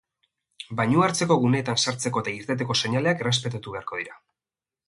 Bainua hartzeko guneetan sartzeko eta irteteko seinaleak errespetatu beharko dira.